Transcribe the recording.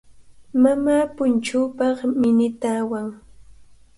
Mamaa punchuupaq minita awan.